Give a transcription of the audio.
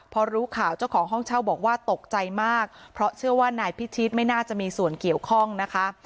พอรู้ข่าวเจ้าของห้องเช่าบอกว่าตกใจมากเพราะเชื่อว่านายพิชิตไม่น่าจะมีส่วนเกี่ยวข้องนะคะ